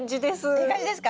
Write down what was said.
いい感じですか？